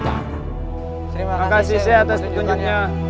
terima kasih saya atas petunjuknya